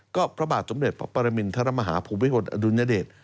ก็พระบาทสมเด็จพระปรมินทรมาฮาภูมิพลอดุลยเดช